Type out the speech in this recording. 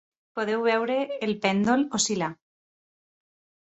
Podeu veure el pèndol oscil·lar.